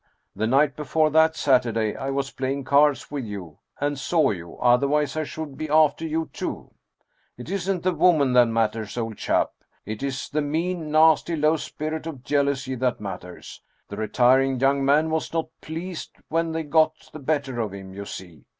The night before that Satur day I was playing cards with you, and saw you, otherwise I should be after you too ! It isn't the woman that matters, old chap ! It is the mean, nasty, low spirit of jealousy that matters. The retiring young man was not pleased when they got the better of him, you see!